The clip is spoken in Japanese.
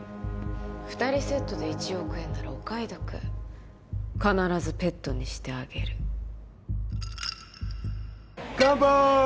二人セットで１億円ならお買い得必ずペットにしてあげるカンパイ！